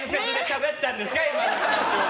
今の話は。